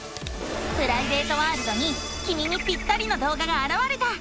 プライベートワールドにきみにぴったりの動画があらわれた！